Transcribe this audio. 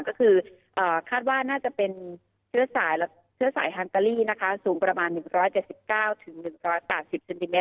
ก็คือคาดว่าน่าจะเป็นเชื้อสายฮันตาลีนะคะสูงประมาณ๑๗๙๑๘๐เซนติเมต